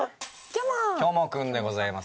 きょも君でございます。